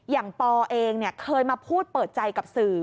ปอเองเคยมาพูดเปิดใจกับสื่อ